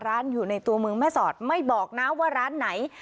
ร้านอยู่ในตัวเมืองแม่สอดไม่บอกนะว่าร้านไหน